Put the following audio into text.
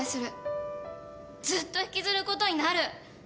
ずっと引きずることになる。